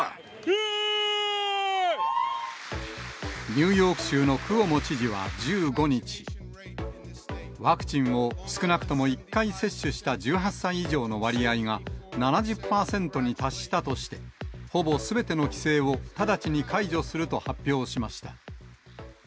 ニューヨーク州のクオモ知事は１５日、ワクチンを少なくとも１回接種した１８歳以上の割合が７０％に達したとして、ほぼすべての規制を直ちに解除すると発表しました。